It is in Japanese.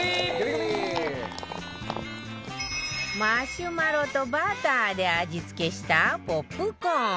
マシュマロとバターで味付けしたポップコーン